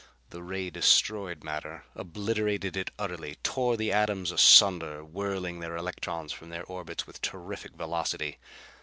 The ray destroyed matter. Obliterated it utterly. Tore the atoms asunder, whirling their electrons from their orbits with terrific velocity.